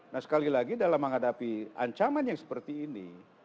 nah sekali lagi dalam menghadapi ancaman yang seperti ini